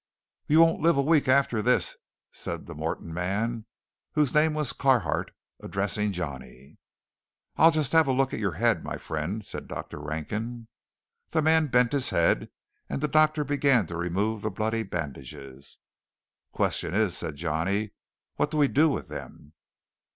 "You won't live a week after this," said the Morton man, whose name was Carhart, addressing Johnny. "I'll just have a look at your head, my friend," said Dr. Rankin. The man bent his head, and the doctor began to remove the bloody bandages. "Question is," said Johnny, "what do we do with them?"